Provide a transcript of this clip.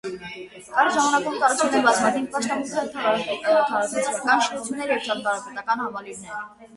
Կարճ ժամանակում կառուցվել են բազմաթիվ պաշտամունքային, քաղաքացիական շինություններ և ճարտարապետական համալիրներ։